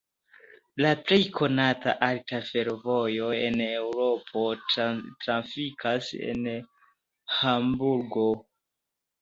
La plej konata alta fervojo en Eŭropo trafikas en Hamburgo.